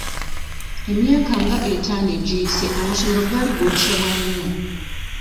Emyaka nga etaano egiyise amasomero gaali gookyebwa nnyo.